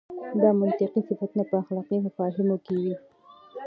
دا منطقي صفتونه په اخلاقي مفاهیمو کې وي.